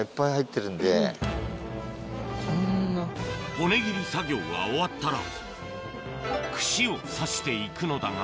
骨切りが作業が終わったら串を刺していくのだが